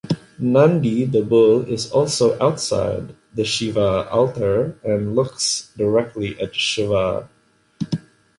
Nandi the bull is also outside the Shiva altar and looks directly at Shiva.